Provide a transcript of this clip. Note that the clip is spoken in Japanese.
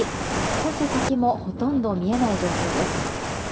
少し先もほとんど見えない状況です。